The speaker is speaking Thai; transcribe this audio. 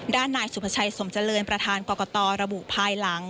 ด้านนายสุภาชัยสมเจริญประธานกรกตระบุภายหลัง